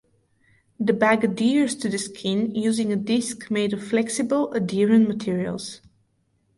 The bag adheres to the skin using a disk made of flexible, adherent materials.